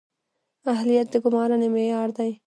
اهلیت د ګمارنې معیار دی